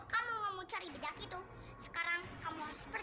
oh saya juga mendengar suara suara suara